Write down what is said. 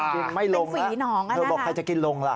อ่าไม่ลงเป็นฝีหนองอ่ะนะคะเธอบอกใครจะกินลงล่ะ